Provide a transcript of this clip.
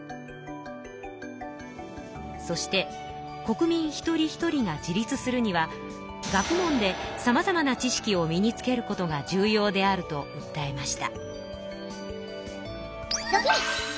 そして国民一人一人が自立するには学問でさまざまな知識を身につけることが重要であるとうったえました。